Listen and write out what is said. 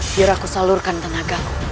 biar aku salurkan tenagaku